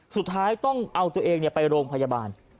สุดท้ายต้องเอาตัวเองไปโรงพยาบาล